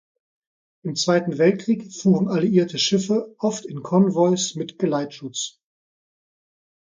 Im Zweiten Weltkrieg fuhren alliierte Schiffe oft in Konvois mit Geleitschutz.